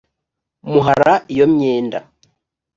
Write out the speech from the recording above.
muhara iyo myenda